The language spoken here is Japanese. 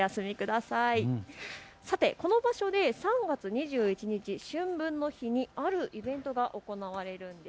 さてこの場所で３月２１日、春分の日にあるイベントが行われるんです。